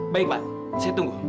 baik pak saya tunggu